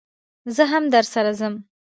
زه هم درسره ځم